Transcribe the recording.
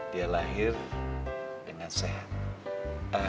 dia lahir dengan sehat